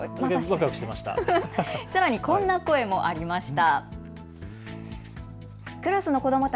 さらに、こんな声もありました。